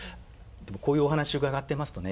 でもこういうお話伺ってますとね